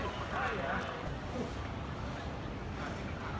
อันที่สุดท้ายก็คือภาษาอันที่สุดท้าย